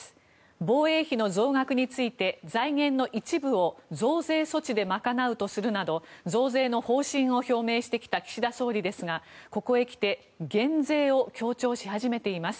防衛費の増額について財源の一部を増税措置で賄うとするなど増税の方針を表明してきた岸田総理ですがここへきて減税を強調し始めています。